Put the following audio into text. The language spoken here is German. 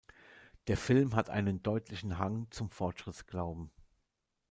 Der Film hat einen deutlichen Hang zum Fortschrittsglauben.